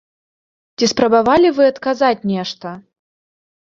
Ці спрабавалі вы адказаць нешта?